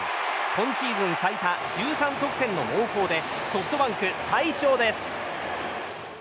今シーズン最多１３得点の猛攻でソフトバンク、快勝です！